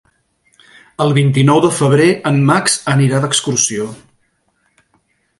El vint-i-nou de febrer en Max anirà d'excursió.